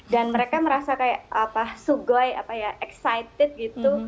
dan mereka merasa kayak apa sugoi apa ya excited gitu